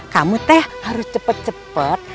kamu teh harus cepet cepet